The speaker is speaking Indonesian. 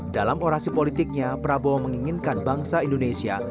dalam orasi politiknya prabowo menginginkan bangsa indonesia